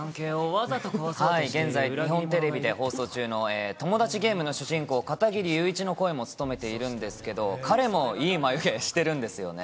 現在、日本テレビで放送中のトモダチゲームの主人公、片切友一の声も務めているんですけれども、かれもいい眉毛をしてるんですよね。